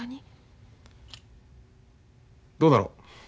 どうだろう？